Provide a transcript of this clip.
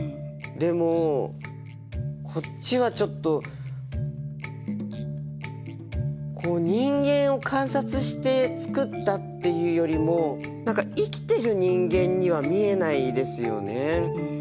でもこっちはちょっと人間を観察して作ったっていうよりも何か生きてる人間には見えないですよね。